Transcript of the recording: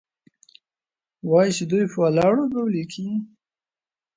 وايي چې دوى په ولاړو بول كيې؟